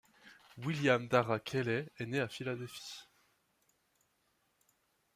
William Darrah Kelley est né à Philadelphie.